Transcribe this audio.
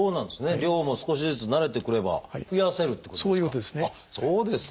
量も少しずつ慣れてくれば増やせるっていうことですか？